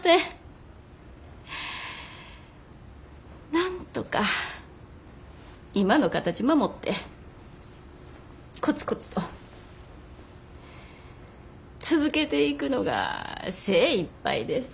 なんとか今の形守ってコツコツと続けていくのが精いっぱいです。